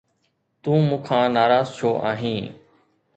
تون مون کان ناراض ڇو آهين؟